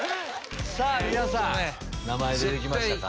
さぁ皆さん名前出て来ましたか？